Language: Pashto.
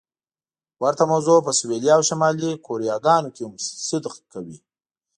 ورته موضوع په سویلي او شمالي کوریاګانو کې هم صدق کوي.